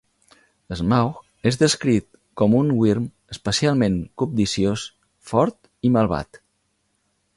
Smaug és descrit com "un wyrm especialment cobdiciós, fort i malvat".